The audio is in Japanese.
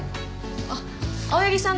あっ青柳さん